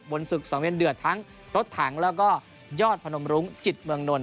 ศึกสังเวียนเดือดทั้งรถถังแล้วก็ยอดพนมรุ้งจิตเมืองนนท